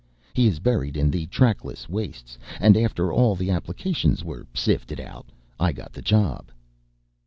He is buried in the trackless wastes and after all the applicants were sifted out I got the job."